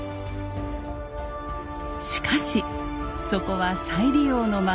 しかしそこは再利用の町江戸。